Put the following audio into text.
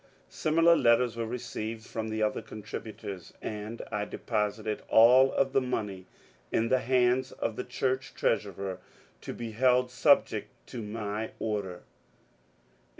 Similiar letters were received from the other contributors, and I deposited all of the money in the hands of the church treasurer, to be held subject to my order.